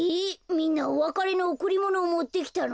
みんなおわかれのおくりものをもってきたの？